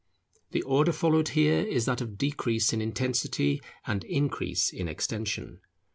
The order followed here is that of decrease in intensity, and increase in extension.